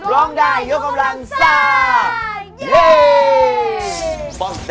ร้องได้เยอะกำลังซ่า